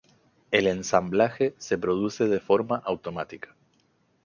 El ensamblaje se produce de forma automática.